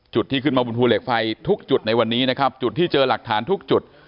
จุดที่ขึ้นมาบนภูเหล็กไฟทุกจุดในวันนี้นะครับจุดที่เจอหลักฐานทุกจุด